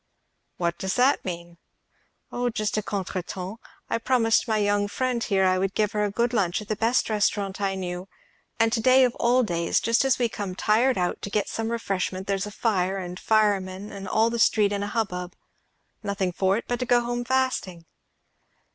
"What does that mean?" "Just a contretemps. I promised my young friend here I would give her a good lunch at the best restaurant I knew; and to day of all days, and just as we come tired out to get some refreshment, there's a fire and firemen and all the street in a hubbub. Nothing for it but to go home fasting."